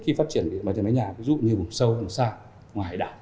khi phát triển để mấy nhà dụ như vùng sâu vùng xa ngoài đảo